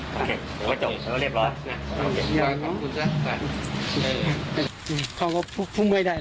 แต่ว่าเขาไว้ในใจครับ